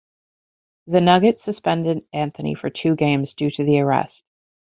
The Nuggets suspended Anthony for two games due to the arrest.